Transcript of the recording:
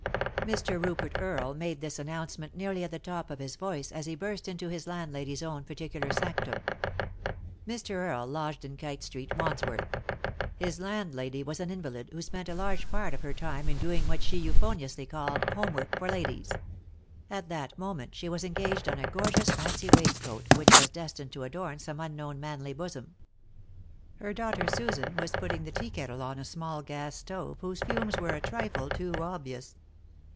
Mr. Rupert Earle made this announcement nearly at the top of his voice as he burst into his landlady's own particular sanctum. Mr. Earle lodged in Kite Street, Wandsworth. His landlady was an invalid, who spent a large part of her time in doing what she euphoniously called "homework for ladies." At that moment she was engaged on a gorgeous fancy waist coat which was destined to adorn some unknown manly bosom. Her daughter, Susan, was putting the tea kettle on a small gas stove whose fumes were a trifle too obvious.